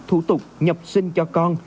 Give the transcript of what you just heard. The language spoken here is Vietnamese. thủ tục nhập sinh cho con